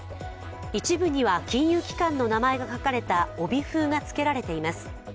一部には金融機関の名前が書かれた帯封がつけられています。